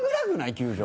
球場。